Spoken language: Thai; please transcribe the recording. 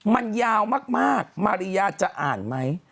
มันยาวมากมาริยาจะอ่านไหม